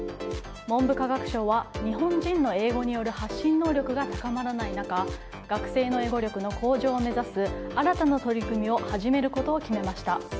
文部科学省は日本人の英語による発信能力が高まらない中学生の英語力の向上を目指す新たな取り組みを始めることを決めました。